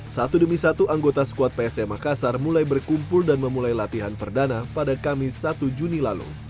satu demi satu anggota squad psm makassar mulai berkumpul dan memulai latihan perdana pada kamis satu juni lalu